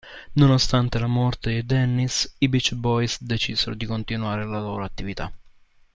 Nonostante la morte di Dennis, i Beach Boys decisero di continuare la loro attività.